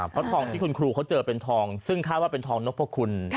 เพราะทองที่คุณครูเขาเจอเป็นทองซึ่งคาดว่าเป็นทองนพคุณ